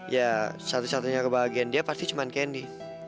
ya satu satunya kebahagiaan dia pasti cuman candy